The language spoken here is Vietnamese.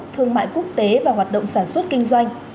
thương mại quốc tế và hoạt động sản xuất kinh doanh